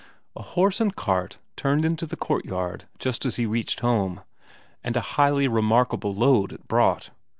A horse and cart turned into the courtyard just as he reached home. And a highly remarkable load it brought.